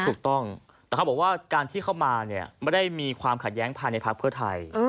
ถูกต้องแต่เขาบอกว่าการที่เข้ามาเนี่ยไม่ได้มีความขัดแย้งภายในพักเพื่อไทย